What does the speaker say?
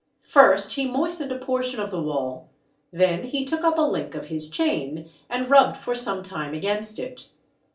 First he moistened a portion of the wall, then he took up a link of his chain, and rubbed for some time against it.